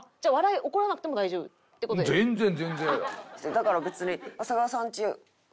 だから別に。